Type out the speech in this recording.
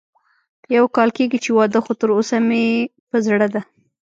يو کال کېږي چې واده خو تر اوسه مې په زړه ده